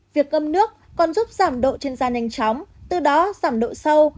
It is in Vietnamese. việc ngâm nước còn giúp giảm độ trên da nhanh chóng từ đó giảm độ sâu